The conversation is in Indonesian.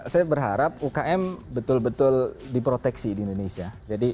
saya berharap ukm betul betul diproteksi di indonesia